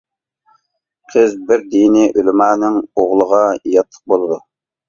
قىز بىر دىنىي ئۆلىمانىڭ ئوغلىغا ياتلىق بولىدۇ.